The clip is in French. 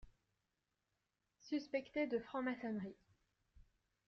Suspecté de franc-maçonnerie.